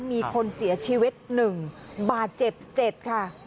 มีคนเสียชีวิตหนึ่งบาดเจ็บเจ็ดค่ะ